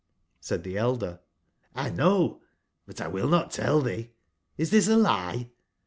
Said tbe elder: ''1 know, but Twill not tell thee. Is this a lie?"